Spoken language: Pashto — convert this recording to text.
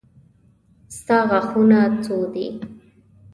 ستا غاښونه څو دي.